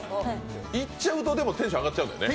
行っちゃうと、でもテンション上がっちゃうのよね。